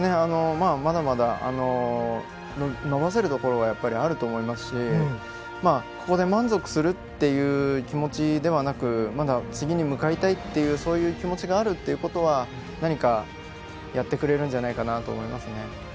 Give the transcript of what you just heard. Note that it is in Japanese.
まだまだ伸ばせるところはやっぱり、あると思いますしここで満足するという気持ちではなくまだ次に向かいたいという気持ちがあるっていうことは何かやってくれるんじゃないかと思いますね。